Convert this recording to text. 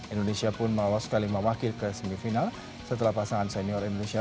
indonesia pun malah sekali mewakil ke semifinal setelah pasangan senior indonesia